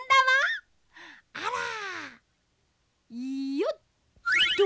よっと。